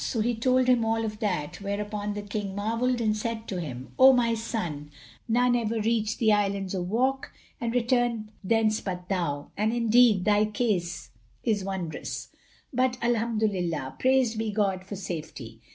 So he told him all of that, whereupon the King marvelled and said to him, "O my son, none ever reached the Islands of Wak and returned thence but thou, and indeed thy case is wondrous; but Alhamdolillah—praised be God—for safety!"